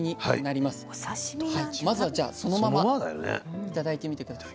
まずはそのまま頂いてみて下さい。